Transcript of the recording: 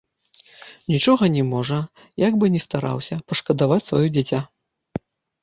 Ніхто не можа, як бы ні стараўся, пашкадаваць сваё дзіця.